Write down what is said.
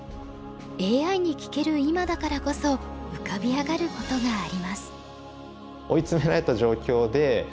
ＡＩに聞ける今だからこそ浮かび上がることがあります。